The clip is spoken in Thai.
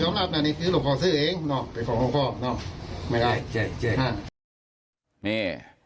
หลวงพ่อยอมรับน่ะนี่คือหลวงพ่อซื้อเองน่ะเป็นของหลวงพ่อน่ะไม่ได้